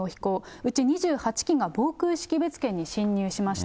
うち２８機が防空識別圏に侵入しました。